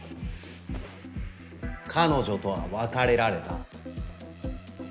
彼女とは別れられた？